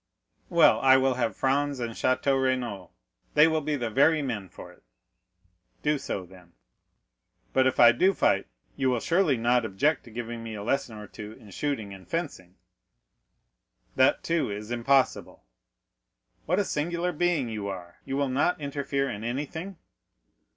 "Well, I will have Franz and Château Renaud; they will be the very men for it." "Do so, then." "But if I do fight, you will surely not object to giving me a lesson or two in shooting and fencing?" "That, too, is impossible." "What a singular being you are!—you will not interfere in anything."